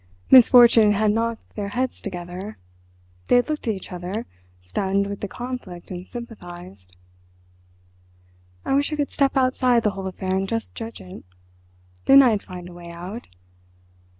Misfortune had knocked their heads together: they had looked at each other, stunned with the conflict and sympathised... "I wish I could step outside the whole affair and just judge it—then I'd find a way out.